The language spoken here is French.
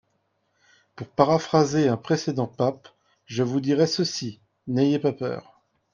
Pour paraphraser un précédent pape, je vous dirai ceci, n’ayez pas peur